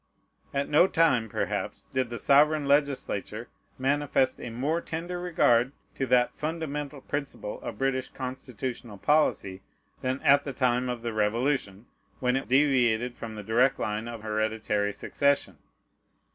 At no time, perhaps, did the sovereign legislature manifest a more tender regard to that fundamental principle of British constitutional policy than at the time of the Revolution, when it deviated from the direct line of hereditary succession.